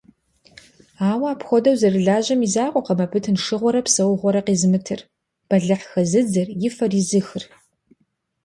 Ауэ апхуэдэу зэрылажьэм и закъуэкъым абы тыншыгъуэрэ псэхугъуэрэ къезымытыр, бэлыхь хэзыдзэр, и фэр изыхыр.